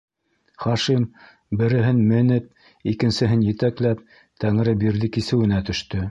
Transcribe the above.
- Хашим, береһен менеп, икенсеһен етәкләп, Тәңребирҙе кисеүенә төштө.